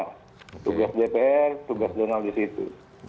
tugas dpr tugas donald di situ